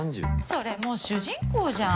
それもう主人公じゃん。